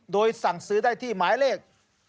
โดยสั่งซื้อได้ที่หมายเลข๐๘๖๒๘๗๗๒๑๑